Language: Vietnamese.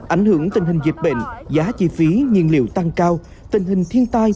ảnh hưởng tình hình dịch bệnh giá chi phí nhiên liệu tăng cao tình hình thiên tai